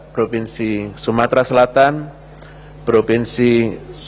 provinsi sumatera selatan provinsi sulawesi